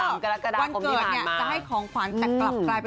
วันเกิดเนี่ยจะให้ของขวานแตกตลับได้